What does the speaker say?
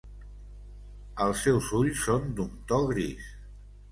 Els seus ulls són d'un to gris.